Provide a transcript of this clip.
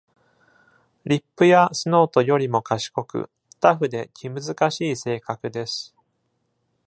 リップやスノートよりも賢く、タフで、気難しい性格です。